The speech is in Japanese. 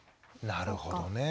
なるほどね。